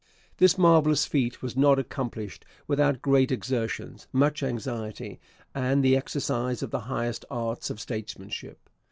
This marvellous feat was not accomplished without great exertions, much anxiety, and the exercise of the highest arts of statesmanship.